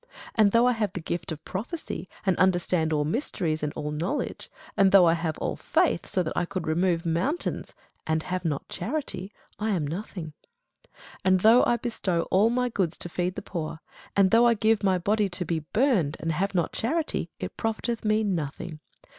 And though I have the gift of prophecy, and understand all mysteries, and all knowledge; and though I have all faith, so that I could remove mountains, and have not charity, I am nothing. And though I bestow all my goods to feed the poor, and though I give my body to be burned, and have not charity, it profiteth me nothing.